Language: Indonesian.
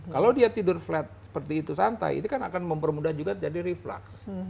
kalau dia tidur flat seperti itu santai itu kan akan mempermudah juga jadi reflux